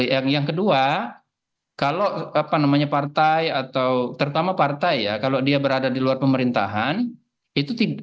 yang kedua kalau apa namanya partai atau terutama partai ya kalau dia berada di luar pemerintahan itu